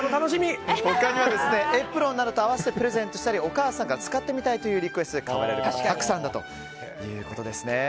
エプロンなどと合わせてプレゼントしたりお母さんが使ってみたいというリクエストで買われる方も多いということです。